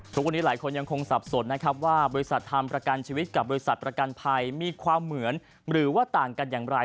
ทุกวันนี้หลายคนยังคงสับสนนะครับว่าบริษัททำประกันชีวิตกับบริษัทประกันภัยมีความเหมือนหรือว่าต่างกันอย่างไร